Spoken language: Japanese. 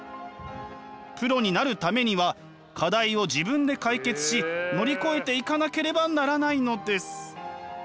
プロになるためには課題を自分で解決し乗り越えていかなければならないのです。